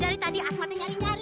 dari tadi asmatnya nyari nyari